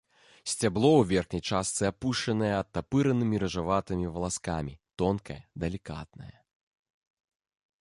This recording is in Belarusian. Сцябло ў верхняй частцы апушанае адтапыранымі рыжаватымі валаскамі, тонкае, далікатнае.